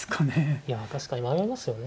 いや確かに迷いますよね。